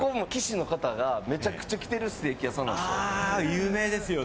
有名ですよね。